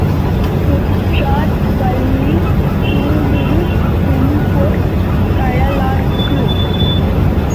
சுற்றார் வல்லிற் சூடுறு செம்பொற் கழலாற்குக்